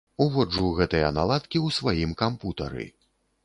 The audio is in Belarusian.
Уводжу гэтыя наладкі ў сваім кампутары.